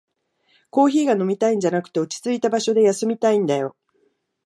コーヒーが飲みたいんじゃなくて、落ちついた場所で休みたいんだよ